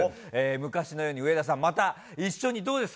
昔のように上田さん、また一緒にどうですか？